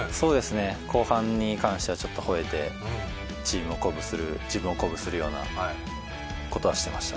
後半に関してはちょっとほえて、チームを鼓舞する、自分を鼓舞するようなことはやってました。